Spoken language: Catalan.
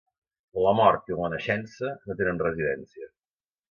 La mort i la naixença no tenen residència.